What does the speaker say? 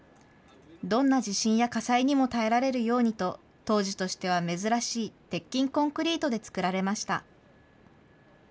どんな地震や火災にも耐えられるようにと、当時としては珍しい鉄筋コンクリートで造られました。